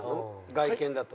外見だと。